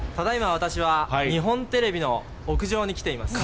私は、日本テレビの屋上に来ています。